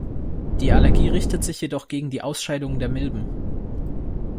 Die Allergie richtet sich jedoch gegen die Ausscheidungen der Milben.